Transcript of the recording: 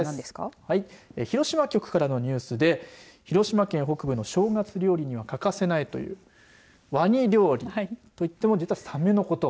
広島局からのニュースで広島県北部の正月料理にはかかせないというワニ料理と言っても実はサメのこと。